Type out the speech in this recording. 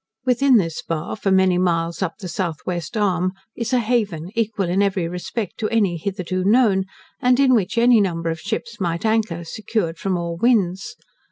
Within this bar, for many miles up the S.W. arm, is a haven, equal in every respect to any hitherto known, and in which any number of ships might anchor, secured from all winds.